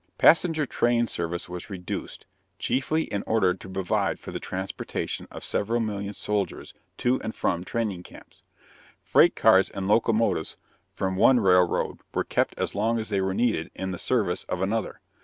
Passenger train service was reduced, chiefly in order to provide for the transportation of several million soldiers to and from training camps. Freight cars and locomotives from one railroad were kept as long as they were needed in the service of another.